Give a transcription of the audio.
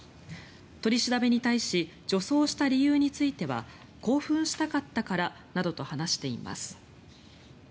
取り調べに対し女装した理由については興奮したかったからなどと話しています。